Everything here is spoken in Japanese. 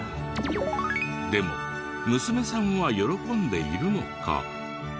でも娘さんは喜んでいるのか？